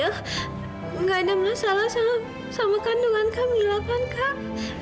gak ada masalah sama kandungan kamilah kan kak